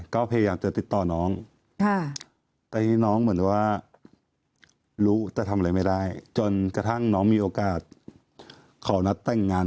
ก็พยายามติดต่อน้อง